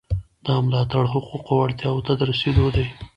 دا ملاتړ حقوقو او اړتیاوو ته د رسیدو دی.